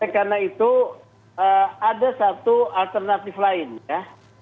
karena itu ada satu alternatif lain ya